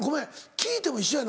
聞いても一緒やな